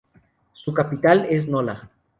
Su capital es Nola.